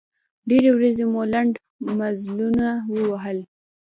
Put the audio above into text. ډېرې ورځې مو لنډ مزلونه ووهل.